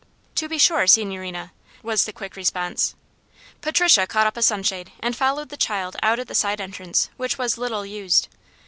"To be sure, signorina," was the quick response. Patricia caught up a sunshade and followed the child out at the side entrance, which was little used.